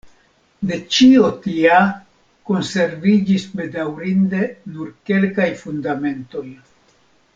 De ĉio tia konserviĝis bedaŭrinde nur kelkaj fundamentoj.